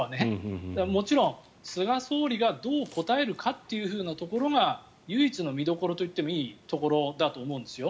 もちろん、菅総理がどう答えるかっていうところが唯一の見どころといってもいいところだと思うんです。